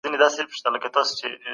زه له خطرناکو خلکو ځان ساتم.